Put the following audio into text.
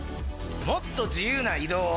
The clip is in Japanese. もっと自由な移動を。